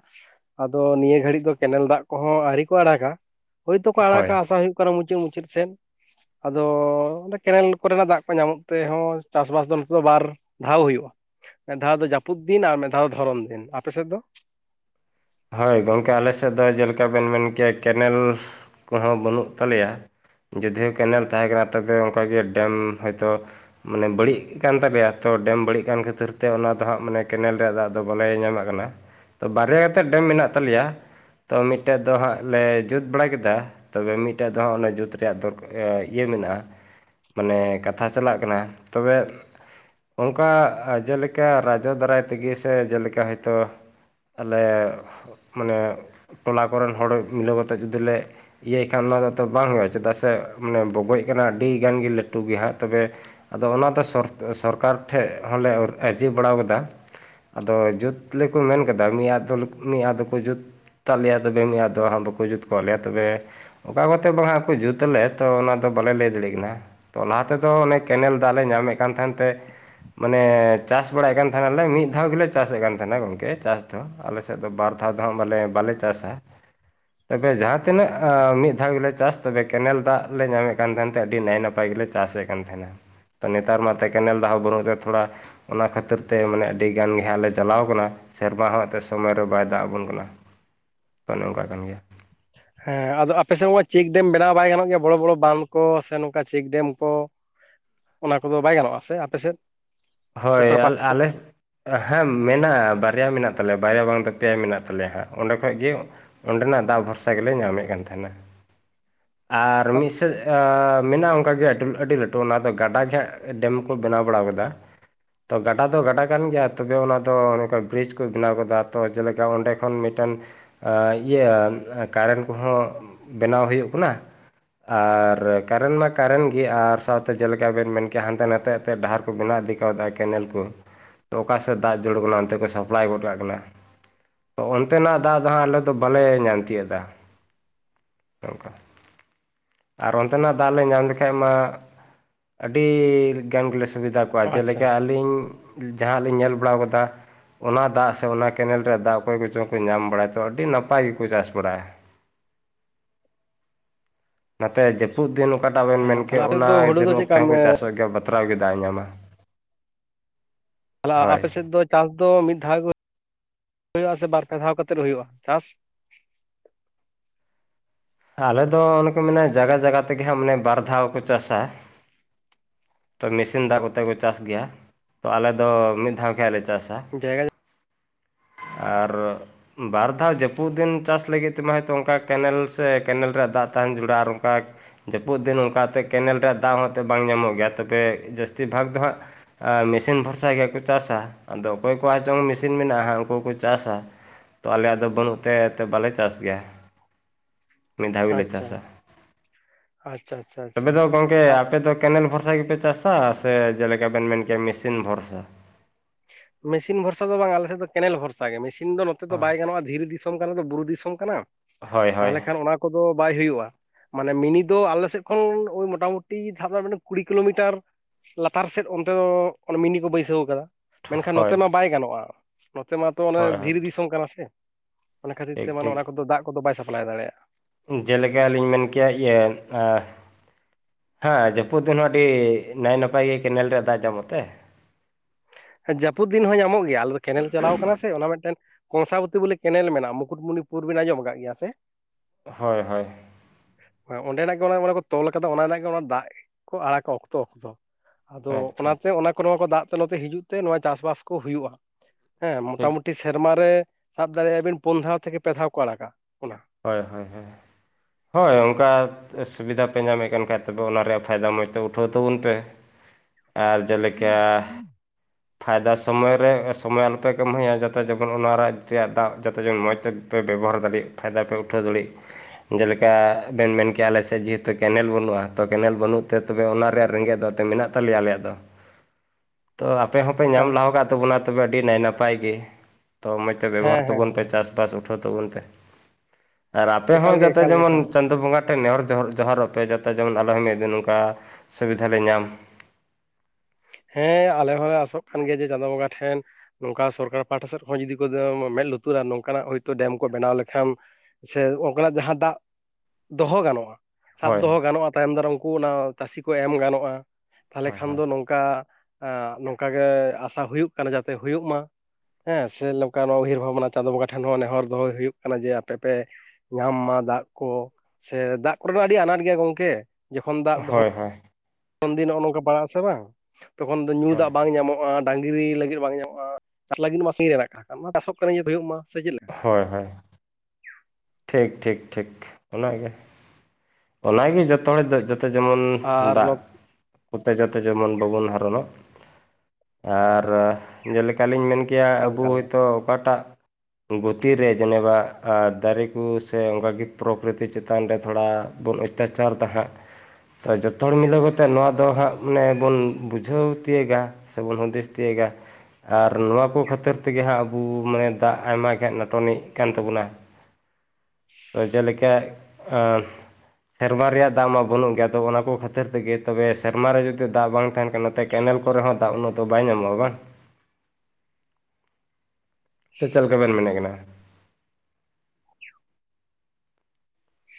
ᱟᱫᱚ ᱱᱤᱭᱟᱹ ᱜᱷᱟᱹᱲᱤᱡ ᱫᱚ ᱠᱮᱱᱮᱞ ᱫᱟᱜ ᱠᱚᱦᱚᱸ ᱟᱹᱣᱨᱤ ᱠᱚ ᱟᱲᱟᱜᱟ ᱦᱳᱭᱛᱳ ᱠᱚ ᱦᱳᱭ ᱟᱲᱟᱜᱟ ᱟᱥᱟ ᱦᱩᱭᱩᱜ ᱚᱠᱟᱨᱮ ᱢᱩᱪᱟᱹᱫ ᱢᱩᱪᱟᱹᱫ ᱥᱮᱫ ᱟᱫᱚ ᱠᱮᱱᱮᱞ ᱠᱚᱨᱮᱱᱟᱜ ᱫᱟᱜ ᱠᱚ ᱧᱟᱢᱚᱜ᱾ ᱛᱮᱦᱚᱸ ᱪᱟᱥᱵᱟᱥ ᱫᱚ ᱱᱚᱛᱮ ᱫᱚ ᱵᱟᱨ ᱫᱷᱟᱣ ᱦᱩᱭᱩᱜᱼᱟ᱾ ᱢᱤᱫ ᱫᱷᱟᱣ ᱫᱚ ᱡᱟᱹᱯᱩᱫ ᱫᱤᱱ ᱟᱨ ᱢᱤᱫ ᱫᱷᱟᱣ ᱫᱚ ᱫᱷᱚᱨᱚᱱ ᱫᱤᱱ ᱟᱯᱮ ᱥᱮᱫ ᱫᱚ ᱦᱳᱭ ᱜᱚᱢᱠᱮ ᱟᱞᱮ ᱥᱮᱫ ᱫᱚ ᱡᱮᱞᱮᱠᱟ ᱵᱮᱱ ᱢᱮᱱ ᱠᱮᱭᱟ ᱠᱮᱱᱮᱞ ᱠᱚᱦᱚᱸ ᱵᱟᱹᱱᱩᱜ ᱛᱟᱞᱮᱭᱟ᱾ ᱡᱩᱫᱤ ᱠᱮᱱᱮᱞ ᱛᱟᱦᱮᱸ ᱠᱟᱱᱟ ᱛᱚᱵᱮ ᱚᱱᱠᱟᱜᱮ ᱰᱮᱢ ᱦᱚᱭᱛᱳ ᱢᱟᱱᱮ ᱵᱟᱹᱲᱤᱡ ᱠᱟᱱ ᱛᱟᱯᱮᱭᱟ ᱛᱚ ᱰᱮᱢ ᱵᱟᱹᱲᱤᱡ ᱠᱟᱱ ᱠᱷᱟᱹᱛᱤᱨ ᱛᱮ ᱚᱱᱟ ᱫᱚ ᱦᱟᱸᱜ ᱢᱟᱱᱮ ᱠᱮᱱᱮᱞ ᱨᱮᱭᱟᱜ ᱫᱟᱜ ᱵᱚᱞᱮ ᱧᱟᱢᱚᱜ ᱠᱟᱱᱟ ᱛᱚ ᱵᱟᱨᱭᱟ ᱠᱟᱛᱮᱫ ᱰᱮᱢ ᱢᱮᱱᱟᱜ ᱛᱟᱞᱮᱭᱟ ᱛᱚ ᱢᱤᱫᱴᱮᱡ ᱫᱚ ᱦᱟᱸᱜ ᱞᱮ ᱡᱩᱛ ᱵᱟᱲᱟ ᱠᱮᱫᱟ᱾ ᱛᱚᱵᱮ ᱢᱤᱫᱴᱮᱡ ᱫᱚ ᱦᱟᱸᱜ ᱚᱱᱟ ᱡᱩᱛ ᱨᱮᱭᱟᱜ ᱫᱚᱨᱠᱟᱨ ᱤᱭᱟᱹ ᱢᱮᱱᱟᱜᱼᱟ᱾ ᱢᱟᱱᱮ ᱠᱟᱛᱷᱟ ᱪᱟᱞᱟᱜ ᱠᱟᱱᱟ ᱛᱚᱵᱮ ᱚᱱᱠᱟ ᱡᱮᱞᱮᱠᱟ ᱨᱟᱡᱚ ᱫᱟᱨᱟᱭ ᱛᱮᱜᱮ ᱥᱮ ᱡᱮᱞᱮᱠᱟ ᱦᱚᱳᱭᱛᱳ ᱟᱞᱮ ᱢᱟᱱᱮ ᱴᱚᱞᱟ ᱠᱚᱨᱮᱱ ᱦᱚᱲ ᱢᱤᱞᱟᱹᱣ ᱠᱟᱛᱮᱫ ᱡᱩᱫᱤ ᱞᱮ ᱤᱭᱟᱹᱭᱜ ᱠᱷᱟᱱ ᱢᱟᱛᱚ ᱵᱟᱝ ᱦᱩᱭᱩᱜᱼᱟ ᱪᱮᱫᱟᱜ ᱥᱮ ᱢᱟᱱᱮ ᱵᱚᱜᱚᱡ ᱠᱟᱱᱟ ᱟᱹᱰᱤ ᱜᱟᱱ ᱜᱮ ᱞᱟᱹᱴᱩ ᱜᱮᱭᱟ ᱦᱟᱸᱜ ᱛᱚᱵᱮ ᱟᱫᱚ ᱚᱱᱟ ᱫᱚ ᱥᱚᱨ ᱥᱚᱨᱠᱟᱨ ᱴᱷᱮᱡ ᱦᱚᱞᱮ ᱟᱹᱡᱤ ᱵᱟᱲᱟ ᱟᱠᱟᱟ᱾ ᱟᱫᱚ ᱡᱩᱛ ᱞᱮᱠᱚ ᱢᱮᱱ ᱠᱟᱫᱟ ᱢᱤᱫ ᱟᱫᱚ ᱢᱤᱫᱟ ᱫᱚᱠᱚ ᱡᱩᱛ ᱛᱟᱞᱮᱭᱟ ᱛᱚᱵᱮ ᱢᱮᱭᱟᱫᱚ ᱦᱚᱸ ᱵᱟᱠᱚ ᱡᱩᱛ ᱠᱟᱣᱟᱜ ᱞᱮᱭᱟ ᱛᱚᱵᱮ ᱚᱠᱟ ᱠᱚᱛᱮ ᱵᱟᱝ ᱦᱟ ᱠᱚ ᱡᱩᱛ ᱞᱮ ᱛᱚ ᱚᱱᱟᱫᱚ ᱵᱟᱞᱮ ᱞᱟᱹᱭ ᱫᱟᱲᱮᱭᱟᱜ ᱠᱟᱱᱟ ᱛᱚ ᱞᱟᱦᱟ ᱛᱮᱫᱚ ᱚᱱᱮ ᱠᱮᱱᱮᱞ ᱫᱟᱜ ᱞᱮ ᱧᱟᱢᱮᱫ ᱠᱟᱱ ᱛᱟᱦᱮᱸᱱ ᱛᱮ ᱢᱟᱱᱮ ᱪᱟᱥ ᱵᱟᱲᱟᱭᱮᱫ ᱠᱟᱱ ᱛᱟᱦᱮᱱᱟᱞᱮ ᱢᱤᱫ ᱫᱷᱟᱣ ᱜᱮᱞᱮ ᱪᱟᱥᱮᱫ ᱠᱟᱱ ᱛᱟᱦᱮᱱᱟ ᱜᱚᱝᱠᱮ ᱪᱟᱥ ᱫᱚ ᱟᱞᱮ ᱥᱮᱫ ᱟᱫᱚ ᱵᱟᱨ ᱫᱷᱟᱣ ᱫᱚ ᱦᱟᱸᱜ ᱵᱟᱞᱮ ᱵᱟᱞᱮ ᱪᱟᱥᱟ ᱛᱚᱵᱮ ᱡᱟᱦᱟᱸᱛᱤᱱᱟᱹᱜ ᱢᱤᱫ ᱫᱷᱟᱣ ᱜᱮᱞᱮ ᱪᱟᱥ ᱛᱚᱵᱮ ᱠᱮᱱᱮᱞ ᱫᱟᱜ ᱞᱮ ᱧᱟᱢᱮᱫ ᱠᱟᱱ ᱛᱟᱦᱮᱸ ᱛᱮ ᱟᱹᱰᱤ ᱱᱟᱭ ᱱᱟᱯᱟᱭ ᱜᱮᱞᱮ ᱪᱟᱥ ᱪᱟᱥᱮ ᱠᱟᱱ ᱛᱟᱦᱮᱱᱟ ᱛᱚ ᱱᱮᱛᱟᱨ ᱢᱟᱛ ᱠᱮᱱᱮᱞ ᱫᱟᱦ ᱦᱚᱸ ᱵᱟᱹᱱᱩᱜ ᱛᱮ ᱛᱷᱚᱲᱟ, ᱚᱱᱟ ᱠᱷᱟᱹᱛᱤᱨ ᱛᱮ ᱢᱟᱱᱮ ᱟᱹᱰᱤ ᱜᱟᱱ ᱜᱮ ᱦᱟᱸᱜ ᱞᱮ ᱪᱟᱞᱟᱣ ᱠᱟᱱᱟ ᱥᱮᱨᱢᱟ ᱦᱚᱸ ᱮᱱ ᱥᱚᱢᱚᱭᱨᱮ ᱵᱟᱭ ᱫᱟᱜ ᱟᱵᱚᱱ ᱠᱟᱱᱟ ᱛᱚ᱾ ᱚᱱᱮ ᱚᱱᱠᱟ ᱠᱟᱱ ᱜᱮᱭᱟ ᱦᱮᱸ ᱟᱫᱚ ᱟᱯᱮ ᱥᱮᱫ ᱦᱚᱸ ᱪᱮᱠ ᱰᱮᱢ ᱵᱮᱱᱟᱣ ᱵᱟᱭ ᱜᱟᱱᱚᱜ ᱜᱮᱭᱟ ᱵᱚᱲᱚ ᱵᱚᱲᱚ ᱵᱟᱸᱫ ᱠᱚ ᱥᱮ ᱱᱚᱝᱠᱟ ᱪᱮᱠ ᱰᱮᱢ ᱠᱚ᱾ ᱚᱱᱟ ᱠᱚᱫᱚ ᱵᱟᱭ ᱜᱟᱱᱚᱜᱼᱟ ᱥᱮ ᱟᱯ ᱥᱮᱫ? ᱥᱚᱨᱠᱟᱨ ᱦᱳᱭᱞ ᱟᱞ ᱯᱟᱦᱴᱟ ᱥᱮᱫ ᱟᱞᱮ ᱦᱮᱸ ᱢᱮᱱᱟᱜᱼᱟ ᱵᱟᱨᱭᱟ ᱢᱮᱱᱟᱜ ᱛᱟᱞᱮᱭᱟ ᱵᱟᱨᱭᱟ ᱵᱟᱝ ᱫᱚ ᱯᱮ ᱢᱮᱱᱟᱜ ᱛᱟᱞᱮᱭᱟ ᱦᱟᱸᱜ ᱚᱸᱰᱮ ᱠᱷᱚᱡ ᱜᱮ ᱚᱸᱰᱮᱱᱟᱜ ᱫᱟᱜ ᱵᱷᱚᱨᱥᱟ ᱜᱮᱞᱮ ᱧᱟᱢᱮᱫ ᱠᱟᱱ ᱛᱟᱦᱮᱱᱟ᱾ ᱟᱨ ᱢᱤᱫᱥᱮᱫ ᱢᱮᱱᱟᱜᱼᱟ ᱚᱱᱠᱟ ᱜᱮ ᱟᱴᱩᱞ ᱟᱹᱰᱤ ᱞᱟᱹᱴᱩ ᱚᱱᱟ ᱫᱚ ᱜᱟᱰᱟ ᱜᱮᱟᱜ ᱰᱮᱢ ᱠᱚ ᱵᱮᱱᱟᱣ ᱵᱟᱲᱟᱣ ᱟᱠᱟᱫᱟ᱾ ᱛᱚ ᱜᱟᱰᱟ ᱫᱚ ᱜᱟᱰᱟ ᱠᱟᱱ ᱜᱮᱭᱟ ᱛᱚᱵᱮ ᱚᱱᱟ ᱫᱚ᱾ ᱚᱱᱠᱟ ᱵᱨᱤᱡᱽ ᱠᱚ ᱵᱮᱱᱟᱣ ᱠᱟᱫᱟ ᱛᱚ, ᱡᱮᱞᱮᱠᱟ ᱚᱸᱰᱮ ᱠᱷᱚᱱ ᱢᱤᱫᱴᱮᱱ ᱟ ᱤᱭᱟᱹ ᱠᱟᱨᱮᱱᱴ ᱠᱚᱦᱚᱸ ᱵᱮᱱᱟᱣ ᱦᱩᱭᱩᱜ ᱠᱟᱱᱟ᱾ ᱟᱨ ᱠᱟᱨᱮᱱᱴ ᱢᱟ ᱠᱟᱨᱮᱱᱴ ᱜᱮ ᱟᱨ ᱥᱟᱶᱛᱮ ᱡᱮᱞᱮᱠᱟ ᱵᱮᱱ ᱢᱮᱱ ᱠᱮᱭᱟ ᱦᱟᱱᱛᱮ ᱱᱟᱛᱮ ᱛᱮ ᱰᱟᱦᱟᱨ ᱠᱚ ᱵᱮᱱᱟᱣ ᱤᱫᱤ ᱠᱟᱣᱫᱟ ᱠᱮᱱᱮᱞ ᱠᱚ ᱚᱠᱟ ᱥᱮᱫ ᱫᱟᱜ ᱡᱟᱹᱲᱩᱲ ᱠᱟᱱᱟ ᱚᱱᱛᱮ ᱠᱚ ᱥᱟᱯᱞᱟᱭ ᱜᱚᱫ ᱠᱟᱜ ᱠᱟᱱᱟ ᱚᱱᱛᱮᱱᱟᱜ ᱫᱟᱜ ᱫᱚ ᱦᱟᱸᱜ ᱟᱞᱮ ᱫᱚ ᱵᱟᱞᱮ ᱧᱟᱢ ᱛᱤᱭᱳᱜ ᱫᱟ ᱱᱚᱝᱠᱟ ᱟᱨ ᱚᱱᱛᱮᱱᱟᱜ ᱫᱟᱜ ᱞᱮ ᱧᱟᱢ ᱞᱮᱠᱷᱟᱡ ᱢᱟ ᱟᱹᱰᱤ ᱜᱟᱱ ᱜᱮᱞᱮ ᱥ ᱥᱩᱵᱤᱫᱷᱟ ᱠᱚᱜᱼᱟ, ᱟᱪᱪᱷᱟ ᱡᱮᱞᱮᱠᱟ ᱟᱹᱞᱤᱧ ᱡᱟᱦᱟᱸ ᱞᱤᱧ ᱧᱮᱞ ᱵᱟᱲᱟ ᱠᱟᱫᱟ᱾ ᱚᱱᱟ ᱫᱟᱜ ᱥᱮ ᱚᱱᱟ ᱠᱮᱱᱮᱞ ᱨᱮ ᱫᱟᱜ ᱚᱠᱚᱭ ᱠᱚᱪᱚᱝ ᱠᱚ ᱧᱟᱢ ᱵᱟᱲᱟᱭᱟ ᱛᱚ᱾ ᱟᱹᱰᱤ ᱱᱟᱯᱟᱭ ᱜᱮᱠᱚ ᱪᱟᱥ ᱵᱟᱲᱟᱭᱟ᱾ ᱱᱟᱚᱛᱮ ᱡᱟᱹᱯᱩᱫ ᱫᱤᱱ ᱚᱠᱟᱴᱟᱜ ᱵᱮᱱ ᱢᱮᱱ ᱦᱮᱸ ᱛᱟᱦᱚᱞᱮ ᱠᱮᱜ ᱟᱯᱮ ᱚᱱᱟ ᱫᱚ ᱦᱩᱲᱩ ᱫᱚ ᱫᱤᱱ ᱚᱠᱛᱮ ᱪᱮᱫᱠᱟ ᱦᱚᱸᱠᱚ ᱪᱟᱥᱚᱜ ᱜᱮᱭᱟ ᱵᱟᱛᱨᱟᱣ ᱜᱮ ᱫᱟᱜ ᱮ ᱧᱟᱢᱟ ᱛᱟᱦᱮ ᱦᱳᱭ ᱟᱯᱮᱥᱮᱫ ᱫᱚ ᱪᱟᱥ ᱫᱚ ᱢᱤᱫ ᱫᱷᱟᱣ ᱜᱮ ᱦᱩᱭᱩᱜᱼᱟ ᱥᱮ ᱵᱟᱨᱯᱮ ᱫᱷᱟᱣ ᱠᱟᱛᱮ ᱦᱩᱭᱩᱜᱼᱟ ᱪᱟᱥ? ᱟᱞᱮᱚ ᱚᱱᱮ ᱠᱚ ᱢᱮᱱᱟ ᱡᱟᱭᱜᱟ ᱡᱟᱭᱜᱟ ᱛᱮᱜᱮ ᱦᱟᱜ ᱢᱚᱱᱮ ᱵᱟᱨ ᱫᱷᱟᱣ ᱠᱚ ᱪᱟᱥᱟ ᱛᱚ ᱢᱮᱥᱤᱱ ᱫᱟᱜ ᱠᱚᱛᱮ ᱠᱚ ᱪᱟᱥ ᱜᱮᱭᱟ ᱛᱚ ᱟᱞᱮ ᱫᱚ ᱢᱤᱫ ᱫᱷᱟᱣ ᱜᱮ ᱦᱟᱜ ᱞᱮ ᱪᱟᱥᱟ ᱡᱟᱭᱜᱟ [inaudible] ᱟᱨ ᱵᱟᱨ ᱫᱷᱟᱣ ᱡᱟᱹᱯᱩᱫ ᱫᱤᱱ ᱪᱟᱥ ᱞᱟᱹᱜᱤᱫ ᱛᱮᱢᱟ ᱦᱚᱭᱛ ᱚᱱᱠᱟ ᱠᱮᱱᱮᱞ ᱥᱮ ᱠᱮᱱᱮᱞ ᱨᱮ ᱫᱟᱜ ᱛᱟᱦᱮᱱ ᱡᱚᱨᱩᱲᱟ ᱟᱨ ᱚᱱᱠᱟ ᱡᱟᱹᱯᱩᱫ ᱫᱤᱱ ᱚᱱᱠᱟᱛᱮ ᱠᱮᱱᱮᱞ ᱨᱮᱭᱟᱜ ᱫᱟᱜ ᱦᱚᱸᱛᱮ ᱵᱟᱝ ᱧᱟᱢᱚᱜ ᱜᱮᱭᱟ ᱛᱚᱵᱮ ᱡᱟᱹᱥᱛᱤ ᱵᱷᱟᱜᱽ ᱫᱚ ᱦᱟᱸᱜ ᱟᱨ ᱢᱮᱥᱤᱱ ᱵᱷᱚᱨᱥᱟ ᱜᱮᱠᱚ ᱪᱟᱥᱟ ᱟᱫᱚ ᱚᱠᱚᱭ ᱠᱚᱣᱟᱜ ᱪᱚᱝ ᱢᱮᱹᱥᱤᱱ ᱢᱮᱱᱟᱜᱼᱟ ᱦᱟᱜ ᱩᱱᱠᱩ ᱠᱚ ᱪᱟᱥᱟ ᱛᱚ ᱟᱞᱮᱭᱟᱜ ᱫᱚ ᱵᱟᱹᱱᱩᱜᱛᱮ ᱮᱱᱛᱮ ᱵᱟᱞᱮ ᱪᱟᱥ ᱜᱮᱭᱟ ᱢᱤᱫ ᱰᱷᱟᱣ ᱜᱮᱞᱮ ᱟᱪᱪᱷᱟ ᱪᱟᱥᱟ, ᱟᱪᱪᱷᱟ ᱟᱪᱪᱷᱟ ᱛᱚᱵᱮ ᱟᱪᱪᱷᱟ ᱫᱚ ᱜᱚᱢᱠᱮ ᱟ ᱟᱯᱮᱫᱚ ᱠᱮᱱᱮᱞ ᱵᱷᱚᱨᱥᱟ ᱜᱮᱯᱮ ᱪᱟᱥᱟ ᱥᱮ ᱡᱮᱞᱮᱠᱟ ᱵᱮᱱ ᱢᱮᱱ ᱠᱮᱭᱟ ᱢᱮᱥᱤᱱ ᱵᱷᱚᱨᱥᱟ ᱢᱤᱥᱤᱱ ᱵᱷᱚᱨᱥᱟ ᱫᱚ ᱵᱟᱝ ᱟᱞᱮᱥᱮᱫ ᱫᱚ ᱠᱮᱱᱮᱞ ᱵᱷᱚᱨᱥᱟ ᱜᱮ ᱢᱤᱥᱤᱱ ᱫᱚ ᱱᱚ ᱛᱚ ᱵᱟᱭ ᱜᱟᱱᱚᱜᱼᱟ ᱫᱷᱤᱨᱤ ᱫᱤᱥᱚᱢ ᱠᱟᱱᱟ ᱛᱚ ᱵᱩᱨᱩ ᱫᱤᱥᱚᱢ ᱠᱟᱱᱟ ᱦᱳᱭ ᱦᱳᱭ ᱛᱟᱦᱚᱞᱮ ᱠᱷᱟᱱ ᱚᱱᱟ ᱠᱚᱫᱚ ᱵᱟᱭ ᱦᱩᱭᱩᱜᱼᱟ ᱢᱟᱱᱮ ᱢᱤᱱᱤ ᱫᱚ ᱟᱞᱮ ᱥᱮᱫ ᱠᱷᱚᱱ ᱳᱭ ᱢᱚᱴᱟᱢᱩᱴᱤ ᱥᱟᱵ ᱠᱟᱜ ᱵᱮᱱ ᱠᱩᱲᱤ ᱠᱤᱞᱳᱢᱤᱴᱟᱨ ᱞᱟᱛᱟᱨ ᱥᱮᱫ ᱚᱱᱛᱮ ᱫᱚ ᱚᱱ ᱢᱤᱱᱤ ᱠᱚ ᱵᱟᱹᱭᱥᱟᱹᱣ ᱟᱠᱟᱫᱟ ᱢᱮᱱᱠᱷᱟᱱ ᱱᱚᱛᱮ ᱦᱳᱭ ᱢᱟ ᱵᱟᱭ ᱜᱟᱱᱚᱜᱼᱟ ᱱᱚᱛᱮ ᱢᱟᱛᱚ ᱚᱱᱟ ᱦᱳᱭ ᱫᱷᱤᱨᱤ ᱫᱤᱥᱚᱢ ᱠᱟᱱᱟ ᱥᱮ ᱚᱱᱟ ᱠᱷᱟᱹᱛᱤᱨ ᱛᱮ ᱴᱷᱤᱠ ᱢᱟᱱᱮ ᱚᱱᱟ ᱠᱚᱫᱚ ᱫᱟᱜ ᱠᱚᱫᱚ ᱵᱟᱭ ᱥᱟᱯᱞᱟᱭ ᱫᱟᱲᱮᱭᱟᱜᱼᱟ ᱡᱮᱞᱮᱠᱟᱞᱤᱧ ᱢᱮᱱ ᱠᱮᱭᱟ ᱤᱭᱟᱹ ᱦᱮᱸ ᱡᱟᱹᱯᱩᱫ ᱫᱤᱱ ᱦᱚᱸ ᱟᱹᱰᱤ ᱱᱟᱭ ᱱᱟᱯᱟᱭ ᱜᱮ ᱠᱮᱱᱮᱞ ᱨᱮᱭᱟᱜ ᱫᱟᱜ ᱡᱟᱢᱚᱜ ᱛᱮ ᱡᱟᱹᱯᱩᱫ ᱫᱤᱱ ᱦᱚᱸ ᱧᱟᱢᱚᱜ ᱜᱮᱭᱟ ᱟᱞᱮ ᱫᱚ ᱠᱮᱱᱮᱞ ᱪᱟᱞᱟᱣ ᱠᱟᱱᱟ ᱥᱮ ᱚᱱᱟ ᱢᱮᱫᱴᱮᱱ ᱠᱚᱝᱥᱟᱵᱚᱛᱤ ᱵᱚᱞᱮ ᱠᱮᱱᱮᱞ ᱢᱮᱱᱟᱜᱼᱟ ᱢᱩᱠᱩᱴᱢᱩᱱᱤᱯᱩᱨ ᱵᱮᱱ ᱟᱸᱡᱚᱢ ᱠᱟᱫ ᱜᱮᱭᱟ ᱥᱮ ᱦᱳᱭ ᱦᱳᱭ ᱦᱮᱸ ᱚᱸᱰᱮᱱᱟᱜ ᱜᱮ ᱚᱱᱟ ᱚᱱᱟ ᱠᱚ ᱛᱚᱞ ᱠᱟᱫᱟ ᱚᱱ ᱨᱮᱱᱟᱜ ᱜᱮ ᱚᱱᱟ ᱫᱟᱜ ᱠᱚ ᱟᱲᱟᱜᱽ ᱠᱚ ᱚᱠᱛᱚ ᱚᱠᱛᱚ ᱟᱫᱚ ᱟᱪᱪᱷᱟ ᱚᱱᱟᱛᱮ ᱟᱪᱪᱷᱟ ᱚᱱᱟ ᱠᱚ ᱱᱚᱣᱟ ᱠᱚ ᱫᱟᱜ ᱛᱮ ᱱᱚᱛᱮ ᱦᱤᱡᱩᱜ ᱛᱮ ᱱᱚᱣᱟ ᱪᱟᱥᱵᱟᱥ ᱠᱚ ᱦᱩᱭᱩᱜᱼᱟ ᱦᱮᱸ ᱴᱷᱤᱠ ᱢᱚᱴᱟᱢᱩᱴᱤ ᱥᱮᱨᱢᱟᱨ ᱨᱮ ᱥᱟᱵ ᱫᱟᱲᱮᱭᱟᱜᱼᱟ ᱵᱤᱱ ᱯᱩᱱ ᱫᱷᱟᱣ ᱛᱷᱮᱠᱮ ᱯᱮ ᱫᱷᱟᱣ ᱠᱚ ᱟᱲᱟᱜᱟ ᱚᱱᱟ ᱦᱳᱭ ᱦᱳᱭ ᱦᱚᱭ ᱦᱳᱭ ᱚᱱᱠᱟ ᱥᱩᱵᱤᱫᱟ ᱯᱮ ᱧᱟᱢᱮᱫ ᱠᱟᱱ ᱠᱷᱟᱡ ᱛᱚᱵᱮ ᱚᱱᱟ ᱨᱮᱭᱟᱜ ᱯᱷᱟᱭᱫᱟ ᱢᱚᱡᱽ ᱛᱚ ᱩᱴᱷᱟᱹᱣ ᱛᱟᱵᱚᱱ ᱯᱮ ᱟᱨ ᱡᱮᱞᱮᱠᱟ ᱯᱷᱟᱭᱫᱟ ᱥᱚᱢᱚᱭ ᱨᱮ ᱥᱚᱢᱚᱭ ᱟᱞᱚᱯᱮ ᱠᱟᱹᱢᱦᱟᱹᱭᱟ ᱡᱟᱛᱮ ᱡᱮᱢᱚᱱ ᱚᱱᱟ ᱨᱮᱭᱟᱜ ᱫᱟᱜ ᱡᱟᱛᱮ ᱡᱮᱢᱚᱱ ᱢᱚᱸᱡᱽ ᱛᱮ ᱯᱮ ᱵᱮᱵᱚᱦᱟᱨ ᱫᱟᱲᱮᱜ ᱯᱷᱟᱭᱫᱟ ᱯᱮ ᱩᱴᱷᱟᱹᱣ ᱫᱟᱲᱮᱜ ᱡᱮᱞᱮᱠᱟ ᱵᱮᱱ ᱢᱮᱱ ᱠᱮᱭᱟ ᱟᱞᱮ ᱥᱮᱫ ᱡᱮᱦᱮᱛᱩ ᱠᱮᱱᱮᱞ ᱵᱟᱹᱱᱩᱜᱼᱟ ᱛᱚ ᱠᱮᱱᱮᱞ ᱵᱟᱹᱱᱩᱜ ᱛᱮ ᱛᱚᱵᱮ ᱚᱱᱟ ᱨᱮᱭᱟᱜ ᱨᱮᱸᱜᱮᱸᱡ ᱫᱟᱜ ᱛᱮ ᱢᱮᱱᱟᱜ ᱛᱟᱞᱮᱭᱟ ᱟᱞᱮᱭᱟᱜ ᱫᱚ ᱛᱚ ᱟᱯᱮ ᱦᱚᱸᱯᱮ ᱧᱟᱢ ᱮᱠᱟᱞ ᱞᱟᱦᱟᱣ ᱠᱟᱫ ᱛᱟᱵᱚᱱᱟ ᱛᱚᱵᱮ ᱟᱹᱰᱤ ᱱᱟᱭ ᱱᱟᱯᱟᱭ ᱜᱮ ᱛᱚ ᱢᱚᱡᱽᱛᱮ ᱵᱮᱵᱚᱦᱟᱨ ᱦᱮᱸ ᱦᱮᱸ ᱛᱟᱵᱚᱱ ᱯᱮ ᱪᱟᱥ ᱪᱟᱥ ᱩᱴᱷᱟᱹᱣ ᱛᱟᱵᱚᱱ ᱯᱮ ᱟᱨ ᱟᱯᱮ ᱮᱠᱟᱞ ᱦᱚᱸ ᱜᱮ ᱡᱟᱛᱮ ᱮᱠᱟᱞ ᱜᱮ ᱡᱮᱢᱚᱱ ᱮᱠᱟᱞ ᱪᱟᱸᱫᱚ ᱵᱚᱸᱜᱟ ᱴᱷᱮᱱ ᱱᱮᱦᱚᱨ ᱡᱚᱦᱟᱨ ᱡᱚᱦᱟᱨᱚᱜ ᱯᱮ ᱡᱟᱛᱮ ᱡᱮᱢᱚᱱ ᱟᱞᱮ ᱦᱚᱸ ᱢᱤᱫ ᱫᱤᱱ ᱚᱱᱠᱟ ᱥᱩᱵᱤᱫᱷᱟ ᱞᱮ ᱧᱟᱢ ᱦᱮᱸ ᱟᱞᱮ ᱦᱚᱸᱞᱮ ᱟᱥᱚᱜ ᱠᱟᱱ ᱜᱮᱭᱟ ᱡᱮ ᱪᱟᱸᱫᱚ ᱵᱚᱸᱜᱟ ᱴᱷᱮᱱ ᱱᱚᱝᱠᱟ ᱥᱚᱨᱠᱟᱨ ᱯᱟᱦᱴᱟ ᱥᱮᱫ ᱦᱚᱸ ᱡᱩᱫᱤ ᱠᱚ ᱢᱮᱸᱫ ᱞᱩᱛᱩᱨᱟ ᱱᱚᱝᱠᱟᱱᱟᱜ ᱦᱳᱭᱛᱳ ᱰᱮᱢ ᱠᱚ ᱵᱮᱱᱟᱣ ᱞᱮᱠᱷᱟᱱ ᱥᱮ ᱚᱱᱠᱟᱱᱟᱜ ᱡᱟᱦᱟᱸ ᱫᱟᱜ ᱫᱚᱦᱚ ᱜᱟᱱᱚᱜᱼᱟ ᱥᱟᱵ ᱦᱳᱭ ᱫᱚᱦᱚ ᱜᱟᱱᱚᱜᱼᱟ ᱛᱟᱭᱚᱢ ᱫᱟᱨᱟᱢ ᱩᱝᱠᱩ ᱚᱱᱟ ᱪᱟᱹᱥᱤ ᱠᱩ ᱮᱢ ᱜᱟᱱᱚᱜᱼᱟ ᱛᱟᱞᱦᱮ ᱦᱳᱭ ᱠᱷᱟᱱ ᱦᱳᱭ ᱫᱚ ᱱᱚᱝ ᱠᱟ ᱱᱚᱝᱠᱟ ᱜᱮ ᱟᱥᱟ ᱦᱩᱭᱩᱜ ᱠᱟᱱᱟ ᱡᱟᱛᱮ ᱦᱩᱭᱩᱜ ᱢᱟ ᱦᱮᱸ ᱥᱮ ᱱᱚᱝᱠᱟ ᱱᱚᱣᱟ ᱩᱭᱦᱟᱹᱨ ᱵᱷᱟᱵᱽᱱᱟ ᱪᱟᱸᱫᱳ ᱵᱚᱸᱜᱟ ᱴᱷᱮᱱ ᱦᱚᱸ ᱱᱮᱦᱚᱨ ᱫᱚᱦᱚᱭ ᱦᱩᱭᱩᱜ ᱠᱟᱱᱟ ᱡᱮ ᱟᱯᱮ ᱯᱮ ᱧᱟᱢ ᱢᱟ ᱫᱟᱜ ᱠᱚ ᱥᱮ ᱫᱟᱜ ᱠᱚᱨᱮᱱᱟᱜ ᱟᱹᱰᱤ ᱟᱱᱟᱴ ᱜᱮᱭᱟ ᱜᱚᱝᱠᱮ ᱡᱚᱠᱷᱚᱱ ᱫᱟᱜ ᱫᱷᱚᱨᱚ ᱦᱳᱭ ᱦᱳᱭ ᱛᱚᱠᱷᱚᱱ ᱫᱤᱱ ᱱᱚᱜᱼ ᱱᱚᱝᱠᱟ ᱯᱟᱲᱟᱜ ᱟᱥᱮ ᱵᱟᱝ ᱛᱚᱠᱷᱚᱱ ᱫᱚ ᱧᱩ ᱦᱳᱭ ᱫᱟᱜ ᱵᱟᱝ ᱧᱟᱢᱚᱜᱼᱟ ᱾ ᱰᱟᱝᱜᱨᱤ ᱞᱟᱹᱜᱤᱫ ᱵᱟᱝ ᱧᱟᱢᱚᱜᱼᱟ ᱥᱟᱜᱤᱧ ᱨᱮᱱᱟᱜᱟᱥ ᱦᱩᱭᱩᱜ ᱢᱟ ᱥᱮ ᱪᱮᱫ ᱞᱮᱠᱟ ᱾ ᱦᱳᱭᱻᱦᱳᱭ, ᱴᱷᱤᱠ ᱴᱷᱤᱠ ᱴᱷᱤᱠ ᱚᱱᱟᱜᱮ ᱚᱱᱟᱜᱮ ᱡᱚᱛᱚ ᱦᱚᱲ ᱫᱚ ᱛᱮ ᱡᱮᱢᱚᱱ ᱟᱨ ᱫᱟᱜ ᱱᱚᱛᱮ ᱠᱚᱛᱮ ᱡᱟᱛᱮ ᱡᱮᱢᱚᱱ ᱵᱟᱵᱚᱱ ᱦᱟᱨᱚᱱᱚᱜ ᱟᱨ ᱡᱮᱞᱮᱠᱟᱞᱤᱧ ᱢᱮᱱ ᱠᱮ- ᱠᱮᱭᱟ ᱮᱠᱟᱞ ᱟᱵᱚ ᱦᱳᱭᱛᱳ ᱚᱠᱟᱴᱟᱜ ᱜᱚᱛᱤᱨᱮ ᱡᱮᱱᱮᱵᱟ ᱟᱸ ᱫᱟᱨᱮ ᱠᱩ ᱥᱮ ᱚᱱᱠᱟᱜᱮ ᱯᱨᱚᱠᱨᱤᱛᱤ ᱪᱮᱛᱟᱱ ᱨᱮ ᱛᱷᱚᱲᱟ ᱵᱚᱱ ᱚᱛᱛᱟᱪᱟᱨ ᱛᱟᱦᱮᱸᱜ ᱛᱚ ᱡᱚᱛᱚ ᱦᱚᱲ ᱢᱤᱞᱟᱹᱣ ᱠᱟᱛᱮᱜ ᱱᱚᱣᱟ ᱫᱚ ᱦᱟᱸᱜ ᱢᱟᱱᱮ ᱵᱚᱱ ᱵᱩᱡᱷᱟᱹᱣ ᱛᱤᱭᱟᱹᱜᱟ ᱥᱮ ᱵᱚᱱ ᱦᱩᱫᱤᱥ ᱛᱤᱭᱟᱹᱜᱟ ᱟᱨ ᱱᱚᱣᱟ ᱠᱚ ᱠᱷᱟᱹᱛᱤᱨ ᱛᱮᱜᱮ ᱦᱟᱸᱜ ᱟᱵᱚ ᱢᱟᱱᱮ ᱫᱟᱜ ᱟᱭᱢᱟ ᱜᱮ ᱱᱟᱴᱚᱱᱤᱡ ᱦᱮᱡ ᱠᱟᱱ ᱛᱟᱵᱚᱱᱟ ᱡᱮᱞᱮᱠᱟ ᱮᱸ ᱥᱮᱨᱢᱟ ᱨᱮᱭᱟᱜ ᱫᱟᱜ ᱢᱟ ᱵᱟᱹᱱᱩᱜ ᱜᱮᱭᱟ ᱟᱫᱚ ᱚᱱᱟ ᱠᱚ ᱠᱷᱟᱹᱛᱤᱨ ᱛᱮᱜᱮ ᱛᱚᱵᱮ ᱥᱮᱨᱢᱟ ᱨᱮ ᱡᱩᱫᱤ ᱫᱟᱜ ᱵᱟᱝ ᱛᱟᱦᱮᱱ ᱠᱟᱱᱟ ᱛᱮ ᱠᱮᱱᱮᱞ ᱠᱚᱨᱮ ᱦᱚᱸ ᱫᱟᱜ ᱩᱱᱟᱹᱜ ᱫᱚ ᱵᱟᱭ ᱧᱟᱢᱚᱜᱼᱟ ᱵᱟᱝ ᱥᱮ ᱪᱮᱫ ᱞᱮᱠᱟ ᱵᱮᱱ ᱢᱮᱱᱮᱫ ᱠᱟᱱᱟ ᱾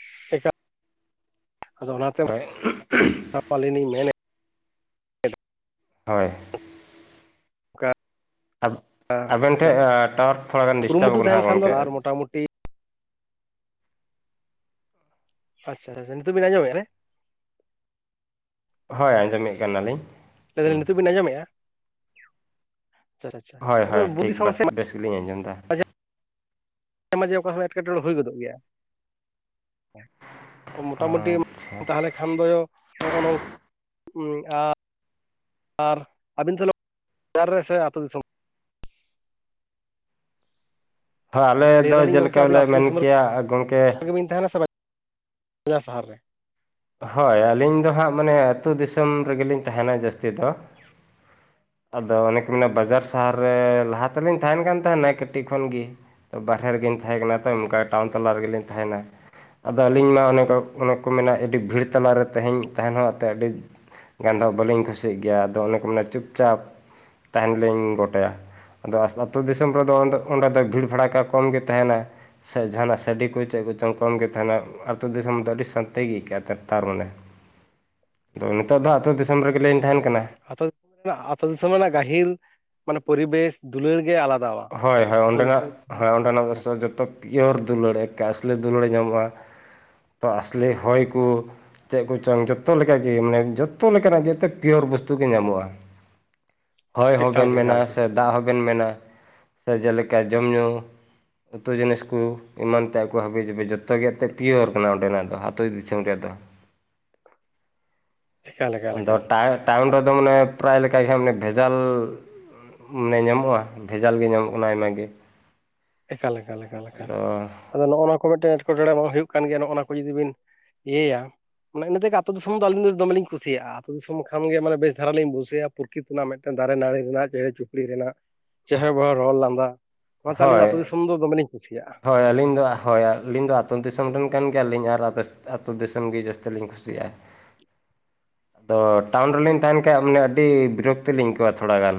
[unintelligible] ᱟᱫᱚ ᱚᱱᱟᱛᱮ ᱦᱳᱭ ᱟᱹᱞᱤᱧ ᱞᱤᱧ ᱢᱮᱱᱮᱫ ᱦᱳᱭᱻ ᱚᱱᱠᱟ [unintelligible] ᱟᱵᱮᱱ ᱴᱷᱮᱱ ᱴᱟᱣᱟᱨ ᱛᱷᱚᱲᱟ ᱜᱟᱱ ᱰᱤᱥᱴᱟᱵ ᱠᱟᱱᱟᱜ ᱜᱚᱢᱠᱮ ᱾ ᱢᱚᱴᱟ ᱢᱩᱴᱤ ᱟᱪᱪᱷᱟ ᱱᱤᱛᱚᱜ ᱵᱤᱱ ᱟᱸᱡᱚᱢᱮᱫᱼᱟ ᱨᱮ ᱦᱳᱭ ᱟᱸᱡᱚᱢᱮᱫ ᱠᱟᱱᱟᱞᱤᱧ ᱞᱟᱹᱭ ᱦᱻ ᱫᱟᱞᱤᱧ ᱱᱤᱛᱚᱜ ᱵᱤᱱ ᱟᱡᱚᱢ ᱮᱭᱟ ᱛᱟᱦᱳᱞᱮ ᱦᱳᱭ ᱦᱳᱭ ᱴᱷᱤᱠ ᱵᱟᱛ ᱟᱪᱷᱟ [unintelligible] ᱵᱮᱥ ᱜᱮᱞᱤᱧ ᱟᱸᱡᱚᱢ ᱮᱫᱟ ᱾ ᱦᱮᱸ ᱢᱟᱡᱮ ᱚᱠᱟ ᱥᱚᱢᱚᱭ ᱮᱴᱠᱮᱴᱚᱬᱮ ᱦᱩᱭ ᱜᱚᱫᱚᱜ ᱜᱮᱭᱟ ᱾ ᱢᱳᱴᱟᱢᱩᱴᱤ ᱟᱪᱪᱷᱟ ᱛᱟᱦᱚᱞᱮ ᱠᱷᱟᱱ ᱫᱚ ᱱᱚᱜᱼᱚ ᱱᱚᱝᱠᱟ ᱾ ᱟᱨ ᱟᱹᱵᱤᱱ ᱛᱞᱳᱜ [inaudible] ᱨᱮ ᱥᱮ ᱟᱹᱛᱩᱳ ᱫᱤᱥᱚᱢ ᱾ ᱦᱳᱭ ᱟᱞᱮ ᱞᱟᱹᱭ ᱫᱚ ᱫᱟᱞᱤᱧ ᱜᱚᱢᱠᱮ ᱡᱮᱞᱮᱠᱟ ᱟᱵᱤᱱ ᱫᱚ ᱞᱮ ᱟᱹᱛᱩ ᱢᱮᱱ ᱛᱟᱞᱟ ᱠᱮᱭᱟ ᱜᱚᱢᱠᱮ ᱨᱮ ᱛᱟᱦᱮᱱᱟ ᱥᱮ ᱵᱟᱡ ᱵᱟᱡᱟᱨ ᱥᱟᱦᱟᱨ ᱨᱮ? ᱦᱳᱭ ᱟᱹᱞᱤᱧ ᱫᱚ ᱦᱟᱸᱜ ᱢᱟᱱᱮ ᱟᱹᱛᱩ ᱫᱤᱥᱚᱢ ᱨᱮᱜᱮᱞᱤᱧ ᱛᱟᱦᱮᱱᱟ ᱡᱟᱹᱥᱛᱤ ᱫᱚ᱾ ᱟᱫᱚ ᱚᱱᱮ ᱠᱚ ᱢᱮᱱᱟ ᱵᱟᱡᱟᱨ ᱥᱟᱦᱟᱨ ᱨᱮ ᱞᱟᱦᱟ ᱛᱮᱞᱤᱧ ᱛᱟᱦᱮᱱ ᱠᱟᱱ ᱛᱟᱦᱮᱱᱟ ᱠᱟᱹᱴᱤᱡ ᱠᱷᱚᱱ ᱜᱤ ᱾ ᱛᱚ ᱵᱟᱦᱨᱮ ᱨᱮᱜᱮᱧ ᱛᱟᱦᱮᱸ ᱠᱟᱱᱟ ᱛᱚ᱾ ᱚᱱᱠᱟ ᱴᱟᱣᱩᱱ ᱛᱟᱞᱟ ᱨᱮᱜᱮᱞᱤᱧ ᱛᱟᱦᱮᱱᱟ ᱾ ᱟᱫᱚ ᱟᱹᱞᱤᱧ ᱢᱟ ᱚᱱᱮ ᱚᱱᱮᱠ ᱠᱚ ᱢᱮᱱᱟ ᱟᱹᱰᱤ ᱵᱷᱤᱲ ᱛᱟᱞᱟᱨᱮ ᱛᱮᱦᱮᱧ ᱛᱟᱦᱮᱱ ᱦᱚᱸ ᱮᱱ ᱛᱮ ᱟᱹᱰᱤ ᱜᱟᱱᱫᱚ ᱵᱟᱹᱞᱤᱧ ᱠᱩᱥᱤᱭᱟᱜ ᱜᱮᱭᱟ᱾ ᱟᱫᱚ ᱚᱱᱮ ᱠᱚ ᱢᱮᱱᱟ ᱪᱩᱯᱪᱟᱯ ᱛᱟᱦᱮᱸᱱ ᱞᱤᱧ ᱜᱚᱴᱟᱭᱟ ᱾ ᱟᱫᱚ ᱟᱹᱛᱩᱳ ᱫᱤᱥᱚᱢ ᱨᱮᱫᱚ ᱚᱸᱰᱮ ᱫᱚ ᱵᱷᱤᱲᱻᱵᱷᱟᱲᱟᱠᱟ ᱠᱚ ᱠᱚᱢ ᱜᱮ ᱛᱟᱸᱦᱮᱱᱟ ᱾ ᱥᱮ ᱡᱟᱦᱟᱱᱟᱜ ᱥᱟᱰᱮ ᱠᱚ ᱪᱮᱫ ᱠᱚ ᱪᱚᱝ ᱠᱚᱢ ᱜᱮ ᱛᱟᱦᱮᱱᱟ᱾ ᱟᱛᱳ ᱫᱤᱥᱚᱢ ᱫᱚ ᱟᱹᱰᱤ ᱥᱟᱱᱛᱤ ᱜᱮ ᱟᱹᱭᱠᱟᱹᱜᱼᱟ᱾ ᱛᱟᱨ ᱢᱟᱱᱮ ᱟᱫᱚ ᱱᱤᱛᱚᱜ ᱫᱚ ᱟᱹᱛᱩ ᱫᱤᱥᱚᱢ ᱨᱮᱜᱮᱞᱤᱧ ᱛᱟᱦᱮᱸᱱ ᱠᱟᱱᱟ ᱾ ᱟᱛᱳ ᱫᱤᱥᱚᱢ ᱟᱛᱳ ᱫᱤᱥᱚᱢ ᱨᱮᱱᱟᱜ ᱜᱟᱹᱦᱤᱨ ᱢᱟᱱᱮ ᱯᱚᱨᱤᱵᱮᱥ ᱫᱩᱞᱟᱹᱲ ᱜᱮ ᱟᱞᱟᱫᱟᱣᱟ ᱾ ᱦᱚᱭᱻᱦᱚᱭ ᱚᱸᱱᱰᱮᱱᱟᱜ ᱦᱳᱭ ᱚᱸᱱᱰᱮᱱᱟᱜ ᱫᱚ ᱡᱚᱛᱚ ᱯᱤᱭᱳᱨ ᱫᱩᱞᱟᱹᱲ ᱮᱠᱮ ᱟᱥᱞᱤ ᱫᱩᱞᱟᱹᱲ ᱧᱟᱢᱚᱜᱼᱟ᱾ ᱛᱚ ᱟᱥᱞᱤ ᱦᱚᱭ ᱠᱚ ᱪᱮᱫ ᱠᱚᱪᱚᱝ ᱡᱚᱛᱚ ᱞᱮᱠᱟᱜ ᱢᱟᱱᱮ ᱡᱚᱛᱚ ᱞᱮᱠᱟᱱᱟᱜ ᱜᱮ ᱮᱛ ᱯᱤᱭᱳᱨ ᱵᱚᱥᱛᱩ ᱜᱮ ᱧᱟᱢᱚᱜᱼᱟ᱾ ᱦᱚᱭ ᱮᱠᱟᱞ ᱦᱚᱸᱵᱮᱱ ᱜᱮ ᱢᱮᱱᱼᱟ ᱮᱠᱟᱞ ᱜᱮ ᱥᱮ ᱫᱟᱜ ᱦᱚᱸᱵᱮᱱ ᱢᱮᱱᱼᱟ ᱥᱮ ᱡᱮᱞᱮᱠᱟ ᱡᱚᱢ ᱧᱩᱻ ᱩᱛᱩ ᱡᱤᱱᱤᱥ ᱠᱚ ᱮᱢᱟᱱ ᱛᱮᱭᱟᱜ ᱠᱚ ᱦᱟᱹᱵᱤ ᱡᱟᱵᱤ ᱡᱚᱛᱚ ᱜᱮ ᱮᱱᱛᱮᱫ ᱯᱤᱭᱳᱨ ᱠᱟᱱᱟ ᱚᱸᱰᱮᱱᱟᱜ ᱫᱚ ᱟᱹᱛᱩ ᱫᱤᱥᱚᱢ ᱨᱮᱭᱟᱜ ᱫᱚ ᱮᱠᱟᱞ ᱮᱠᱟᱞ ᱫᱚ ᱮᱠᱟᱞ ᱛᱟᱨ ᱴᱟᱣᱩᱱ ᱨᱮᱫᱚ ᱢᱟᱱᱮ ᱯᱨᱟᱭ ᱞᱮᱠᱟ ᱜᱮ ᱢᱟᱱᱮ ᱵᱷᱮᱡᱟᱞ ᱢᱟᱱᱮ ᱧᱟᱢᱚᱜᱼᱟ ᱾ ᱡᱟᱞ ᱜᱮ ᱧᱟᱢᱚᱜ ᱠᱟᱱᱟ ᱟᱭᱢᱟ ᱜᱮᱻ ᱮᱠᱟᱞ ᱞᱮᱠᱟ ᱞᱮᱠᱟ ᱟᱫᱚ ᱱᱚᱜᱼᱚᱭ ᱱᱚᱣᱟ ᱠᱚ ᱢᱤᱫᱴᱮᱱ ᱮᱴᱠᱮᱻᱴᱚᱬᱮ ᱵᱟᱝ ᱦᱩᱭᱩᱜ ᱠᱟᱱ ᱜᱮᱭᱟ᱾ ᱱᱚᱜᱼᱚᱭ ᱱᱚᱣᱟ ᱠᱚ ᱡᱩᱫᱤ ᱵᱤᱱ ᱮᱭᱟ ᱚᱱᱮ ᱤᱱᱟᱹ ᱛᱮᱜᱮ ᱟᱹᱛᱩᱳ ᱫᱤᱥᱚᱢ ᱫᱚ ᱟᱹᱞᱤᱧ ᱫᱚ ᱫᱚᱢᱮᱞᱤᱧ ᱠᱩᱥᱤᱭᱟᱜᱼᱟ ᱾ ᱟᱛᱳ ᱫᱤᱥᱚᱢ ᱠᱷᱟᱱ ᱜᱮ ᱢᱟᱱᱮ ᱵᱮᱥ ᱫᱷᱟᱨᱟ ᱞᱤᱧ ᱵᱩᱡᱟᱹᱭᱟ᱾ ᱯᱨᱚᱠᱤᱛ ᱨᱮᱱᱟᱜ ᱢᱤᱫᱴᱮᱱ ᱫᱟᱨᱮ ᱱᱟᱹᱲᱤ ᱨᱮᱱᱟᱜ ᱪᱮᱬᱮ ᱪᱩᱯᱲᱤ ᱨᱮᱱᱟᱜ ᱪᱮᱦᱨᱟ ᱵᱟᱦᱟ ᱨᱚᱲ ᱞᱟᱸᱫᱟ ᱚᱱᱟᱛᱮ ᱟᱹᱞᱤᱧ ᱫᱚ ᱟᱹᱛᱩ ᱦᱳᱭ ᱫᱤᱥᱚᱢ ᱫᱚ ᱫᱚᱢᱮᱞᱤᱧ ᱠᱩᱥᱤᱭᱟᱜᱼᱟ ᱾ ᱦᱳᱭ ᱟᱹᱞᱤᱧ ᱫᱚ ᱦᱳᱭ ᱟᱹᱞᱤᱧ ᱫᱚ ᱟᱹᱛᱩᱳ ᱫᱤᱥᱚᱢ ᱨᱮᱱ ᱠᱟᱱ ᱜᱮᱭᱟᱞᱤᱧ ᱟᱨ [unintelligible] ᱟᱹᱛᱩ ᱫᱤᱥᱚᱢ ᱜᱮ ᱡᱟᱹᱥᱛᱤ ᱫᱚᱧ ᱠᱩᱥᱤᱭᱟᱜᱼᱟ ᱟᱫᱚ ᱴᱟᱣᱩᱱ ᱨᱮᱞᱤᱧ ᱛᱟᱦᱮᱱ ᱠᱷᱟᱱ ᱢᱟᱱᱮ ᱟᱹᱰᱤ ᱵᱤᱨᱚᱠᱛᱤ ᱞᱤᱧ ᱟᱹᱭᱠᱟᱹᱣᱟ ᱛᱷᱚᱲᱟ ᱜᱟᱱ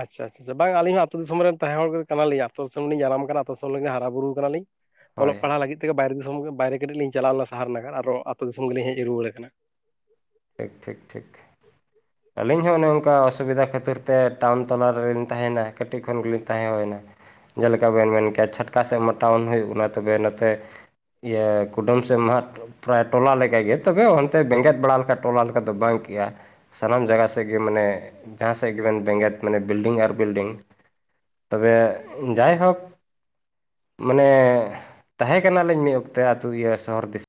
ᱟᱪᱪᱷᱟ ᱟᱪᱪᱷᱟ ᱵᱟᱝ ᱟᱹᱞᱤᱧ ᱦᱚᱸ ᱟ. ᱛᱩ ᱫᱤᱥᱚᱢ ᱨᱮᱱ ᱛᱟᱦᱮᱸ ᱦᱚᱲ ᱜᱮ ᱠᱟᱱᱟᱞᱤᱧ ᱟᱛᱳ ᱫᱤᱥᱚᱢ ᱨᱮᱞᱤᱧ ᱡᱟᱱᱟᱢ ᱟᱠᱟᱱᱟ ᱟᱛᱳ ᱫᱤᱥᱚᱢ ᱨᱮ ᱦᱟᱨᱟ ᱵᱩᱨᱩ ᱠᱟᱱᱟᱞᱤᱧ ᱚᱞᱚᱜ ᱦᱳᱭ᱾ ᱯᱟᱲᱦᱟᱜ ᱞᱟᱹᱜᱤᱫ ᱛᱮᱜᱮ ᱵᱟᱭᱨᱮ ᱫᱤᱥᱚᱢ ᱵᱟᱭᱨᱮ ᱠᱟᱹᱴᱤᱡ ᱞᱤᱧ ᱪᱟᱞᱟᱣᱱᱟ ᱥᱟᱦᱟᱨ ᱱᱟᱜᱟᱨ ᱟᱨᱦᱚ ᱟ ᱟᱹᱛᱩ ᱫᱤᱥᱚᱢ ᱜᱮᱞᱤᱧ ᱦᱮᱡ ᱨᱩᱣᱟᱹᱲ ᱠᱟᱱᱟ ᱾ ᱴᱷᱤᱠᱻ ᱴᱷᱤᱠᱻ ᱴᱷᱤᱠ ᱾ ᱟᱹᱞᱤᱧ ᱦᱚᱸ ᱚᱱᱮ ᱚᱱᱠᱟ ᱚᱥᱩᱵᱤᱫᱟ ᱠᱷᱟᱹᱛᱤᱨ ᱛᱮ ᱴᱟᱣᱩᱱ ᱛᱟᱞᱟ ᱨᱮᱞᱤᱧ ᱛᱟᱦᱮᱭᱮᱱᱟ ᱠᱟᱹᱴᱤᱡ ᱠᱷᱚᱱ ᱜᱮᱞᱤᱧ ᱛᱟᱦᱮᱸ ᱦᱩᱭᱮᱱᱟ ᱾ ᱡᱮᱞᱮᱠᱟ ᱵᱮᱱ ᱢᱮᱱ ᱠᱮᱭᱟ ᱪᱷᱟᱴᱠᱟ ᱥᱮᱫ ᱢᱚᱛᱟᱣᱚᱱ ᱦᱩᱭᱩᱜ ᱠᱟᱱᱟ ᱛᱚᱵᱮ ᱱᱚᱛᱮ ᱾ ᱤᱭᱟᱹ ᱠᱩᱰᱟᱹᱢ ᱥᱮ ᱢᱟᱦᱴ ᱯᱨᱟᱭ ᱴᱚᱞᱟ ᱞᱮᱠᱟᱜᱮ ᱛᱚᱵᱮ ᱦᱚᱱᱛᱮ ᱵᱮᱸᱜᱮᱫ ᱵᱟᱲᱟᱭ ᱞᱮᱠᱷᱟᱭ ᱴᱚᱞᱟ ᱞᱮᱠᱟ ᱫᱚ ᱵᱟᱝᱠᱮᱭᱟ ᱾ ᱥᱟᱱᱟᱢ ᱡᱟᱭᱜᱟ ᱥᱮᱫ ᱜᱮ ᱢᱟᱱᱮ ᱡᱟᱦᱟᱸ ᱥᱮᱫ ᱜᱮᱵᱮᱱ ᱵᱮᱸᱜᱮᱫ ᱢᱟᱱᱮ ᱵᱤᱞᱰᱤᱝ ᱟᱨ ᱵᱤᱞᱰᱤᱝ᱾ ᱛᱚᱵᱮ ᱡᱟᱭ ᱦᱳᱠ ᱢᱟᱱᱮ ᱛᱟᱦᱮᱸ ᱠᱟᱱᱟᱞᱤᱧ ᱢᱤᱫ ᱚᱠᱛᱮ ᱟᱹᱛᱩ ᱤᱭᱟᱹ ᱥᱚᱦᱚᱨ ᱫᱤᱥᱚᱢ